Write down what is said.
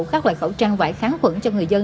các loại khẩu trang vải kháng khuẩn cho người dân